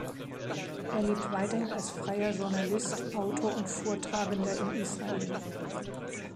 Er lebt weiterhin als freier Journalist, Autor und Vortragender in Israel.